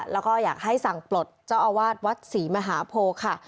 แล้วก็อยากให้สั่งปลดเจ้าอาวาสวัดศรีมหาโพค่ะ